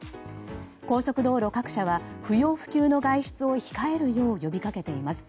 高速道路各社は不要不急の外出を控えるよう呼びかけています。